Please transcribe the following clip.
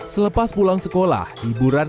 selepas pulang sekolah hiburan